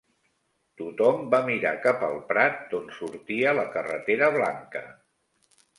Tothom va mirar cap el prat d'on sortia la carretera blanca.